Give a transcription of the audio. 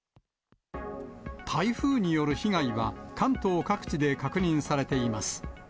台風による被害は、関東各地で確認されています。